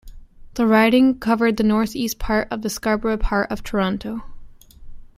The riding covered the northeast part of the Scarborough part of Toronto.